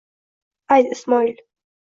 Ayt, Ismoil.